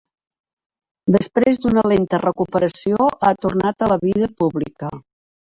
Després d'una lenta recuperació, ha tornat a la vida pública.